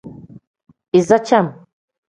Iza cem.